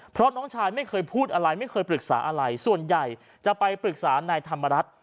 เพราะน้องชายไม่เคยพูดอะไรไม่เคยปรึกษาอะไรส่วนใหญ่จะไปปรึกษานายธรรมรัฐ